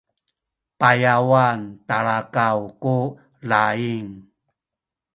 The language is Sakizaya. payawan talakaw ku laying